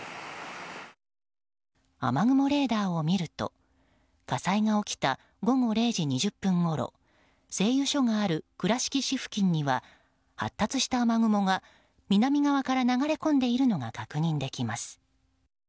雨雲レーダーを見ると火災が起きた午後０時２０分ごろ製油所がある倉敷市付近には発達した雨雲が南側から流れ込んでいるのが確認できます。